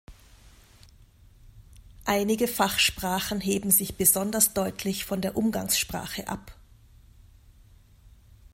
Einige Fachsprachen heben sich besonders deutlich von der Umgangssprache ab.